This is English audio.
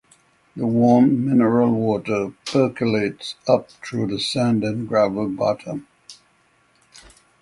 The warm mineral water percolates up through the sand and gravel bottom.